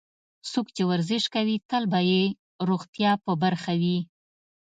څوک چې ورزش کوي، تل به یې روغتیا په برخه وي.